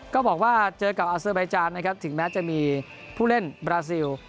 ก็บอกว่าเจอกับอาเซอร์ไบจานนะครับถึงแม้จะมีผู้เล่นบราซิล